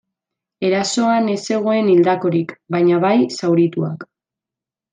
Erasoan ez zegoen hildakorik baina bai zaurituak.